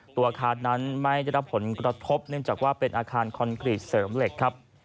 อาคารนั้นไม่ได้รับผลกระทบเนื่องจากว่าเป็นอาคารคอนกรีตเสริมเหล็กครับ